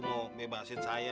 mau mebasin saya